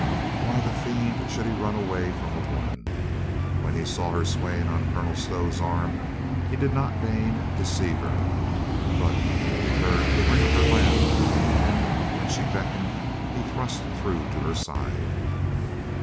Why the fiend should he run away from a woman? When he saw her swaying on Colonel Stow's arm, he did not deign to see her. But he heard the ring of her laugh, and when she beckoned he thrust through to her side.